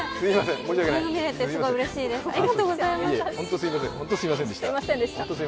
実際見れてすごいうれしいです。